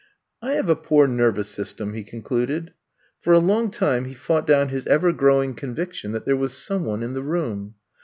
I have a poor nervous system,'* he con cluded. For a long time he fought down his ever growing conviction that there was some one in the room.